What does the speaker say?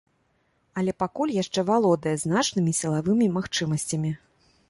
Але пакуль яшчэ валодае значнымі сілавымі магчымасцямі.